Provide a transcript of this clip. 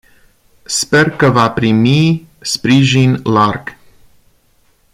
Sper că va primi sprijin larg.